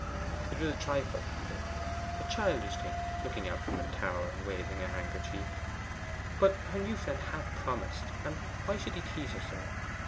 It was a trifle, after all a childish thing looking out from a tower and waving a handkerchief. But her new friend had promised, and why should he tease her so?